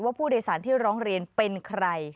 ผู้โดยสารที่ร้องเรียนเป็นใคร